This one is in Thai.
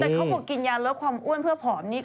แต่เขาก็กินยาเลือกความอ้วนเพื่อผอมนี้